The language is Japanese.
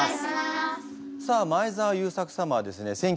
さあ前澤友作様はですね